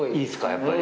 やっぱり。